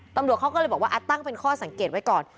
ตำรวจเขาก็เลยบอกว่าตั้งเป็นข้อสังเกตไว้ก่อน